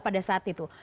pada saat itu